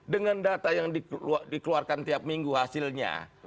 dengan data yang dikeluarkan tiap minggu hasilnya